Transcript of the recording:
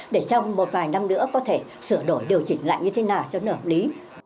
để trong một vài năm nữa có thể sửa đổi điều chỉnh lại như thế nào cho nở lý